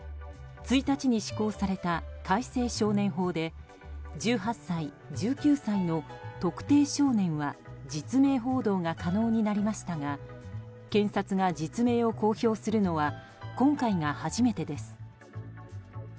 １日に施行された改正少年法で１８歳、１９歳の特定少年は実名報道が可能になりましたが検察が実名を公表するのは今回が初めてです。